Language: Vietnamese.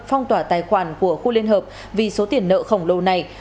phong tỏa tài khoản của khu liên hợp vì số tiền nợ khổng lồ này